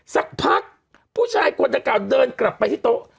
สักพักผู้ชายคนดังกล่าวเดินกลับไปที่โต๊ะ